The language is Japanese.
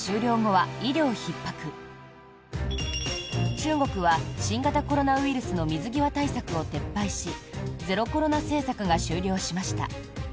中国は新型コロナウイルスの水際対策を撤廃しゼロコロナ政策が終了しました。